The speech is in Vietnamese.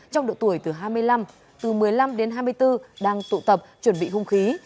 trong độ tuổi từ hai mươi năm từ một mươi năm đến hai mươi bốn đang tụ tập chuẩn bị hung khí